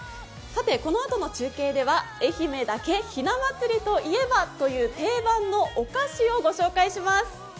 このあとの中継では愛媛だけひな祭りといえばという定番のお菓子をご紹介します。